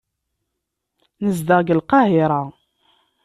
Nezdeɣ deg Lqahira.